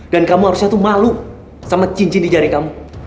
dan kamu harusnya tuh malu sama cincin di jari kamu